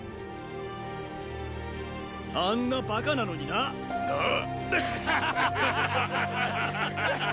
あんなバカなのにな。なー！！